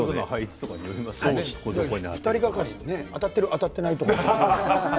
２人がかりで、当たってる当たっていないとか。